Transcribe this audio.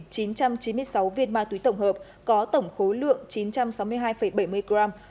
tăng vật thu giữ gầu một mươi chín trăm chín mươi sáu viên ma túy tổng hợp có tổng khối lượng chín trăm sáu mươi hai bảy mươi gram